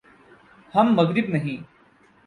ہم مغرب نہیں۔